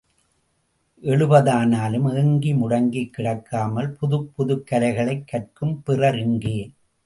எழுபதானாலும் ஏங்கி, முடங்கிக் கிடக்காமல், புதுப் புதுக் கலைகளைக் கற்கும் பிறர் எங்கே?